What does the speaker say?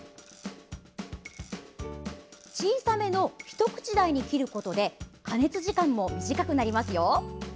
小さめの一口大に切ることで加熱時間も短くなりますよ。